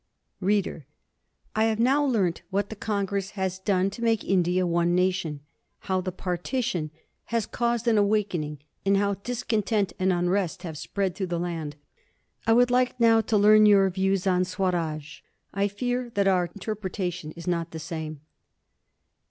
READER: I have now learnt what the Congress has done to make India one nation, how the Partition has caused an awakening, and how discontent and unrest have spread through the land. I would now like to know your views on Swaraj. I fear that our interpretation is not the same.